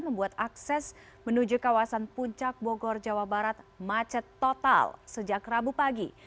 membuat akses menuju kawasan puncak bogor jawa barat macet total sejak rabu pagi